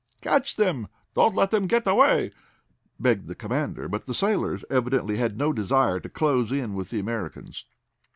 "Catch them! Don't let them get away!" begged the commander, but the sailors evidently had no desire to close in with the Americans.